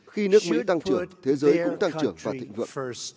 khi nước mỹ tăng trưởng thế giới cũng tăng trưởng và thịnh vượng